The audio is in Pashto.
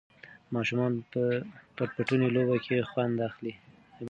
ماشومان په پټ پټوني لوبه کې خوند اخلي.